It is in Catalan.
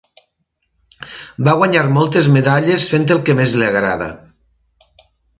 Va guanyar moltes medalles fent el que més li agrada.